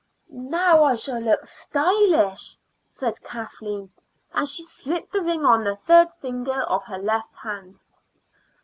"Now I shall look stylish," said Kathleen, and she slipped the ring on the third finger of her left hand.